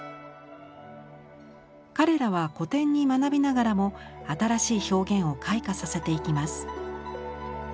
彼らは古典に学びながらも新しい表現を開花させていきます。